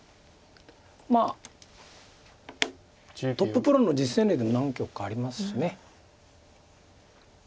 まあトッププロの実戦例でも何局かありますし。